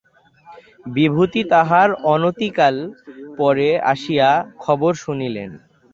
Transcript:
বিভূতি তাহার অনতিকাল পরে আসিয়া খবর শুনিলেন।